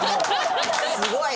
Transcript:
すごい！